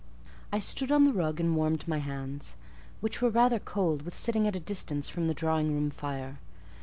I stood on the rug and warmed my hands, which were rather cold with sitting at a distance from the drawing room fire.